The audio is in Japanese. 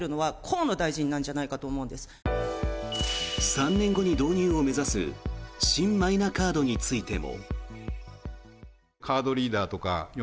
３年後に導入を目指す新マイナカードについても。